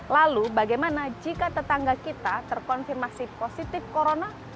lalu bagaimana jika tetangga kita terkonfirmasi positif corona